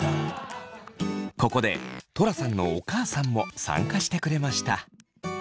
ここでトラさんのお母さんも参加してくれました。